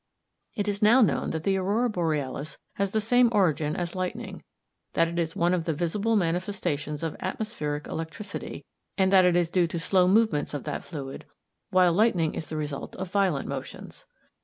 It is now known that the aurora borealis has the same origin as lightning, that it is one of the visible manifestations of atmospheric electricity, and that it is due to slow movements of that fluid, while lightning is the result of violent motions.